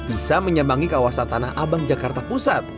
bisa menyambangi kawasan tanah abang jakarta pusat